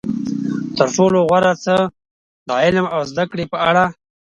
تر ټولو غوره څه د علم او زده کړې په اړه.